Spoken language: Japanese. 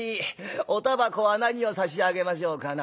おたばこは何を差し上げましょうかな」。